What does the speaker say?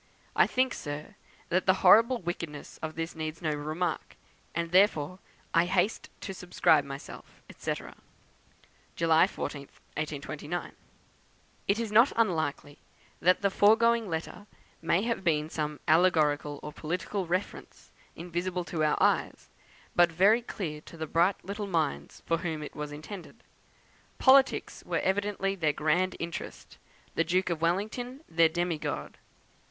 I think, sir, that the horrible wickedness of this needs no remark, and therefore I haste to subscribe myself, &c. "July 14, 1829." It is not unlikely that the foregoing letter may have had some allegorical or political reference, invisible to our eyes, but very clear to the bright little minds for whom it was intended. Politics were evidently their grand interest; the Duke of Wellington their demi god.